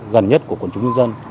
gần nhất của quần chúng nhân dân